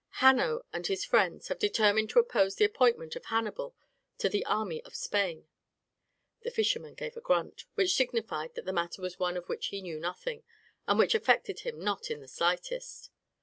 Hanno and his friends have determined to oppose the appointment of Hannibal to the army in Spain." The fisherman gave a grunt, which signified that the matter was one of which he knew nothing, and which affected him not in the slightest.